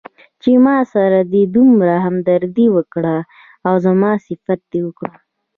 چې ماسره دې دومره همدردي وکړه او زما صفت دې وکړ.